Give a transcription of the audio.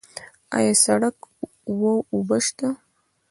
آیا سړک او اوبه شته؟